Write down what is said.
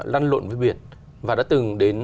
lan lộn với biển và đã từng đến